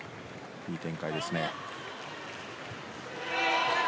いい展開ですね。